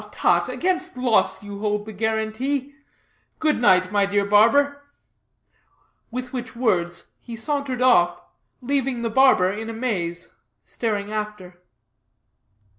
Tut! against loss you hold the guarantee. Good night, my dear barber." With which words he sauntered off, leaving the barber in a maze, staring after.